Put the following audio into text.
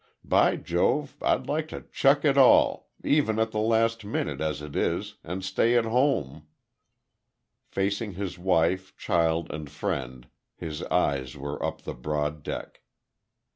By Jove, I'd like to chuck it all, even at the last minute as it is, and stay at home " Facing his wife, child and friend, his eyes were up the broad deck.